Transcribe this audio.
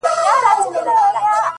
خداى نه چي زه خواست كوم نو دغـــه وي ـ